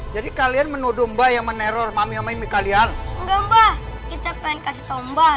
jadi kalian menuduh mbak yang meneror mami mami kalian enggak mbah kita pengen kasih tahu mbah